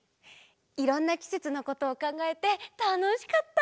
いろんなきせつのことをかんがえてたのしかった！